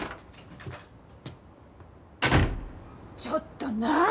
ちょっと何？